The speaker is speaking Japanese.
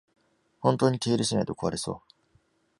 本当に手入れしないと壊れそう